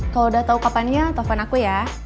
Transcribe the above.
kalau udah tau kapannya telepon aku ya